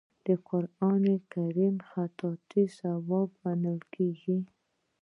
د قران کریم خطاطي ثواب ګڼل کیږي.